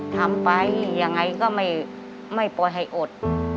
ทำไปยังไงก็ไม่ปล่อยให้อด